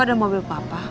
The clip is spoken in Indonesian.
oh ada mobil papa